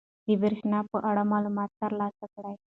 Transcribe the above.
د بریښنا په اړه معلومات ترلاسه کړئ.